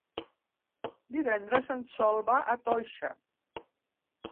Divendres en Sol va a Toixa.